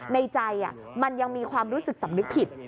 ในใจมันยังมีความรู้สึกสำนึกผิด